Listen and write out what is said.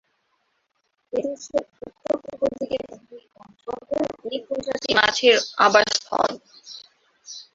এদেশের উত্তর-পূর্ব দিকের পাহাড়ি অঞ্চলে এ প্রজাতি মাছের আবাসস্থল।